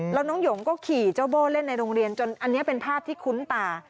แล้วน้องหยงก็ขี่เจ้าโบ้เล่นในโรงเรียนจนอันนี้เป็นภาพที่คุ้นตา